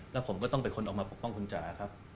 แล้วผมก็ต้องเป็นคนออกมาปกป้องคุณจ๋าครับ